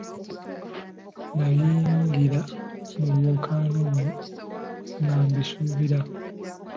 Nayingira mu lwokaano luno nga mbisuubira.